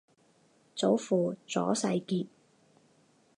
祖父左世杰。